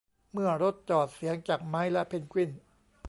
เมื่อรถจอด เสียงจากไมค์และเพนกวิน